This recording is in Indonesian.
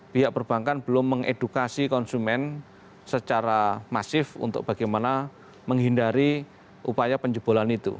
pihak perbankan belum mengedukasi konsumen secara masif untuk bagaimana menghindari upaya penjebolan itu